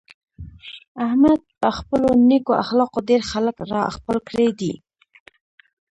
احمد په خپلو نېکو اخلاقو ډېر خلک را خپل کړي دي.